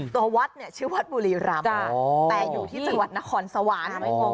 วัดเนี่ยชื่อวัดบุรีรำแต่อยู่ที่จังหวัดนครสวรรค์